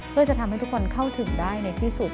เพื่อจะทำให้ทุกคนเข้าถึงได้ในที่สุด